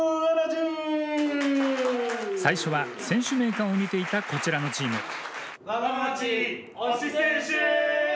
最初は選手名鑑を見ていたこちらのチーム。